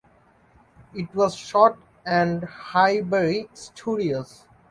It was shot at Highbury Studios.